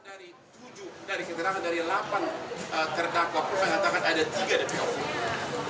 dari tujuh dari keterangan dari delapan terdakwa terus menyatakan ada tiga depan